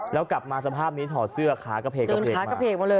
แล้วกลับมาสภาพนี้ถอดเสื้อขากระเพกมา